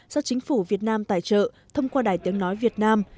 do chính phủ việt nam tài trợ thông qua đài tiếng nói việt nam